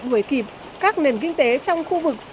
đuổi kịp các nền kinh tế trong khu vực